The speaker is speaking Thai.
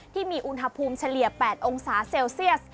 ที่มีอุณหภูมิเฉลี่ย๘องศาเซลเซียส